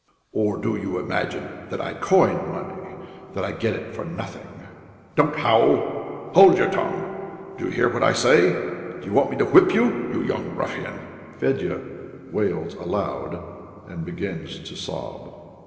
Or do you imagine that I coin money, that I get it for nothing? Don't howl! Hold your tongue! Do you hear what I say? Do you want me to whip you, you young ruffian?" Fedya wails aloud and begins to sob.